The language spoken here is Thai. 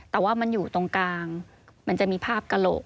แต่ว่ามันอยู่ตรงกลางมันจะมีภาพกระโหลก